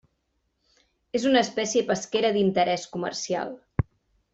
És una espècie pesquera d'interès comercial.